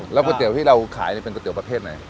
แล้วก๋วยเตี๋ยวที่เราขายเป็นก๋วประเภทไหน